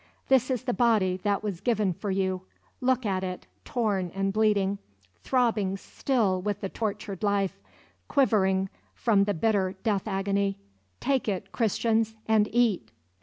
This is the body that was given for you look at it, torn and bleeding, throbbing still with the tortured life, quivering from the bitter death agony; take it, Christians, and eat!"